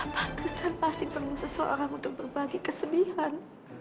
pak tristan pasti perlu seseorang untuk berbagi kesedihan